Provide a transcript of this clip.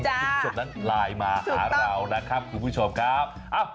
คุณผู้ชมนั้นไลน์มาหาเรานะครับคุณผู้ชมครับ